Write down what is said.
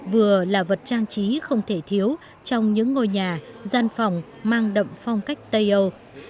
vừa là vật trang trí không thể thiếu trong những ngôi nhà gian phòng mang đậm phong cách tây âu